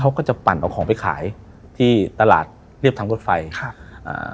เขาก็จะปั่นเอาของไปขายที่ตลาดเรียบทางรถไฟครับอ่า